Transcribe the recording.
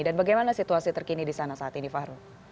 dan bagaimana situasi terkini di sana saat ini fahrul